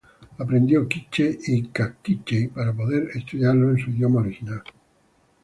Aprendió k’iche’ y kaqchikel para poder estudiarlos en su idioma original.